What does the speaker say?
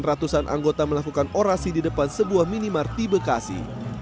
ratusan anggota melakukan orasi di depan sebuah minimar di bekasi